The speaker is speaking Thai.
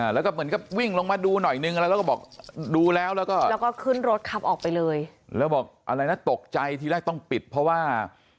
แล้วตกใจที่แรกต้องปิดเพราะว่า